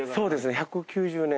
１９０年！